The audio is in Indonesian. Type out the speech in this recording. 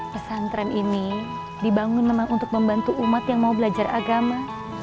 pesantren ini dibangun memang untuk membantu umat yang mau belajar agama